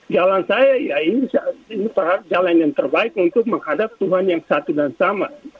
jalan saya ya ini jalan yang terbaik untuk menghadap tuhan yang satu dan sama